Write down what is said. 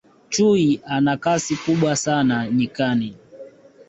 chui ana Kasi kubwa sana nyikani